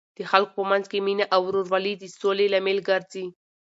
د خلکو په منځ کې مینه او ورورولي د سولې لامل ګرځي.